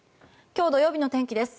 今日土曜日の天気です。